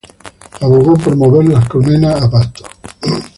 Abogó por mover las colmenas a pastos.